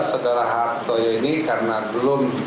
saudara hartoyo ini karena belum